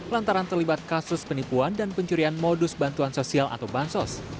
lantaran terlibat kasus penipuan dan pencurian modus bantuan sosial atau bansos